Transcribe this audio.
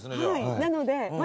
なので。